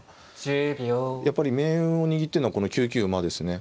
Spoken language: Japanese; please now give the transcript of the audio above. やっぱり命運を握ってるのはこの９九馬ですね。